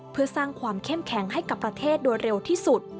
เพื่อสร้างความเข้มแข็งให้กับประเทศโดยเร็วที่สุด